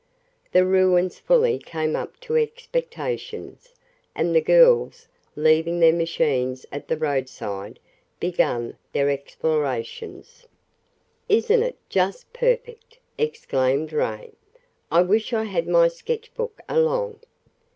The ruins fully came up to expectations, and the girls, leaving their machines at the roadside, began their explorations. "Isn't it just perfect!" exclaimed Ray. "I wish I had my sketch book along."